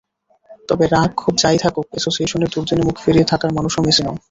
তবে রাগ-ক্ষোভ যা–ই থাকুক, অ্যাসোসিয়েশনের দুর্দিনে মুখ ফিরিয়ে থাকার মানুষও মেসি নন।